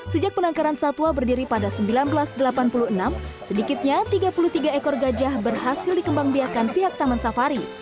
sejak penangkaran satwa berdiri pada seribu sembilan ratus delapan puluh enam sedikitnya tiga puluh tiga ekor gajah berhasil dikembang biarkan pihak taman safari